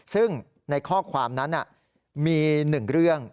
ซึ่งในข้อความนั้นมี๑เรื่อง